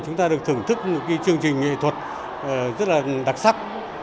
chúng ta được thưởng thức một chương trình nghệ thuật rất là đặc sắc